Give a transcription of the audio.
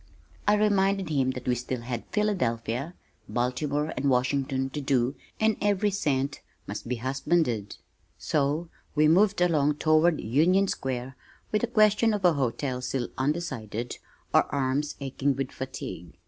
I reminded him that we still had Philadelphia, Baltimore and Washington to "do" and every cent must be husbanded so we moved along toward Union Square with the question of a hotel still undecided, our arms aching with fatigue.